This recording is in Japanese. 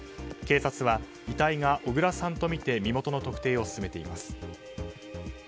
警察は、遺体が小倉さんとみて身元の特定を進めています。